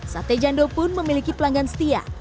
sate jando pun memiliki pelanggan setia